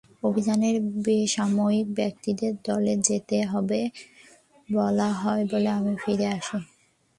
অভিযানে বেসামরিক ব্যক্তিদের চলে যেতে হবে বলা হলে আমি ফিরে আসি।